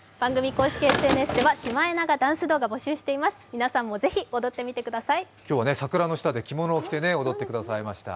皆さんもぜひ踊ってみてください。